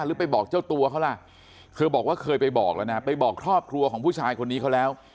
หรือไปบอกเจ้าตัวเขาล่ะเธอบอกว่าเคยไปบอกแล้วนะไปบอกครอบครัวของผู้ชายคนนี้เขาแล้ว